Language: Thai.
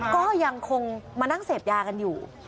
ก็ยังคงมานั่งเสพยากันอยู่